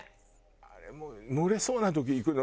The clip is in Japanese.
あれ漏れそうな時に行くの。